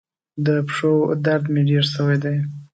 د پښو درد مي ډیر سوی دی.